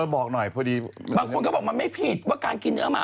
บางคนก็บอกมันไม่ผิดว่าการกินเนื้อหมา